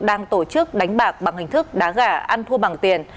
đang tổ chức đánh bạc bằng hình thức đá gà ăn thua bằng tiền